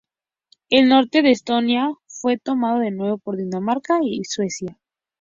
El norte de Estonia fue tomado de nuevo por Dinamarca y Suecia.